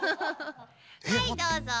はいどうぞ！